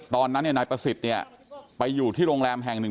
ตอนนั้นเนี่ยนายประสิทธิ์เนี่ยไปอยู่ที่โรงแรมแห่งหนึ่ง